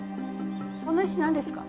この石なんですか？